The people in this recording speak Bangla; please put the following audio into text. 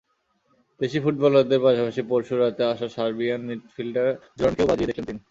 দেশি ফুটবলারদের পাশাপাশি পরশু রাতে আসা সার্বিয়ান মিডফিল্ডার জোরানকেও বাজিয়ে দেখলেন তিনি।